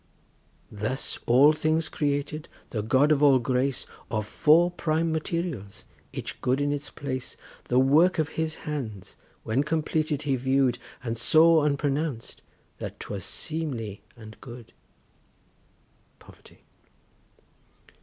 Thus all things created, the God of all grace, Of four prime materials, each good in its place. The work of His hands, when completed, He view'd, And saw and pronounc'd that 'twas seemly and good. POVERTY.